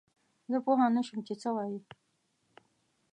زه پوه نه شوم چې څه وايي؟